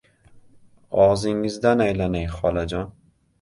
— Og‘zingizdan aylanay, xolajon!